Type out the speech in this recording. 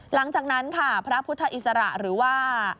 หลังจากนั้นค่ะพระพุทธอิสระหรือว่า